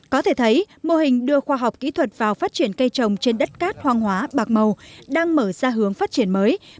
có thể thấy mô hình đưa khoa học kỹ thuật vào phát triển cây trồng trên đất cát hoang hóa bạc màu đang mở ra hướng phát triển mới